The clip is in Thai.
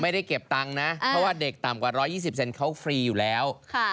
ไม่ได้เก็บตังค์นะเพราะว่าเด็กต่ำกว่า๑๒๐เซนเขาฟรีอยู่แล้ว